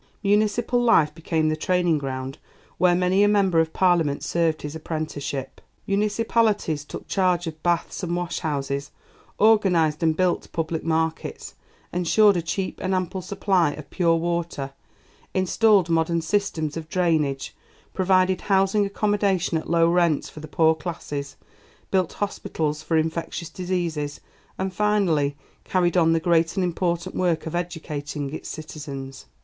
Municipal life became the training ground where many a member of Parliament served his apprenticeship. Municipalities took charge of baths and washhouses, organized and built public markets, ensured a cheap and ample supply of pure water, installed modern systems of drainage, provided housing accommodation at low rents for the poorer classes, built hospitals for infectious diseases, and, finally, carried on the great and important work of educating its citizens.